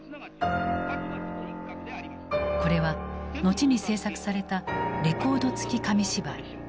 これは後に制作されたレコード付き紙芝居。